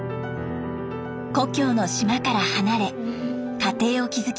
故郷の島から離れ家庭を築きました。